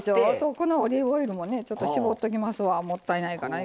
このオリーブオイルもねちょっと絞っときますわもったいないからね